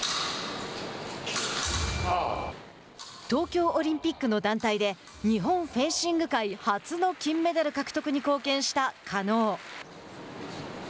東京オリンピックの団体で日本フェンシング界初の金メダル獲得に貢献した加納。